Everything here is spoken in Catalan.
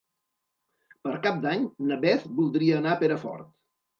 Per Cap d'Any na Beth voldria anar a Perafort.